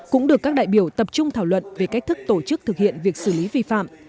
cũng được các đại biểu tập trung thảo luận về cách thức tổ chức thực hiện việc xử lý vi phạm